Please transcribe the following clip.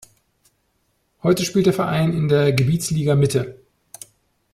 Heute spielt der Verein in der Gebietsliga Mitte.